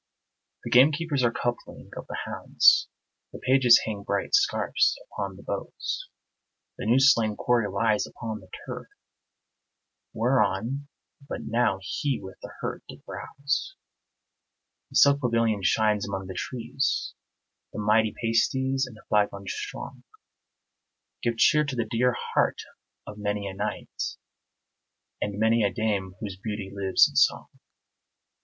The gamekeepers are coupling of the hounds; The pages hang bright scarfs upon the boughs; The new slain quarry lies upon the turf Whereon but now he with the herd did browse. The silk pavilion shines among the trees; The mighty pasties and the flagons strong Give cheer to the dear heart of many a knight, And many a dame whose beauty lives in song.